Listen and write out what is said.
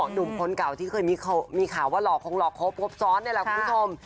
หนุ่มคนเก่าที่เคยมีข่าวว่าหลอกคงหลอกครบครบซ้อนนี่แหละคุณผู้ชม